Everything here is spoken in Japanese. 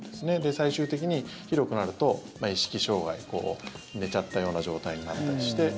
最終的にひどくなると意識障害、寝ちゃったような状態になったりして。